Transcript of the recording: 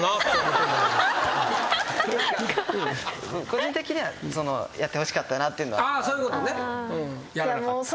個人的にはやってほしかったなっていうのがあったんですけど。